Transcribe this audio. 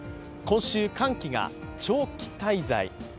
今週、寒気が長期滞在。